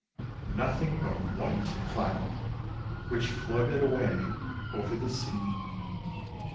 Nothing but a white cloud which floated away over the sea!